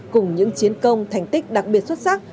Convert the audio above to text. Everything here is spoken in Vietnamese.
cùng những chiến công thành tích đặc biệt xuất sắc